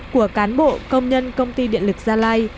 của cán bộ công nhân công ty điện lực gia lai